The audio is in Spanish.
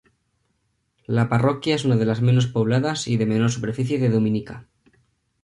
La parroquia es una de las menos pobladas y de menor superficie de Dominica.